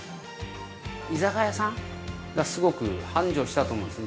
◆居酒屋さんがすごく繁盛したと思うんですね。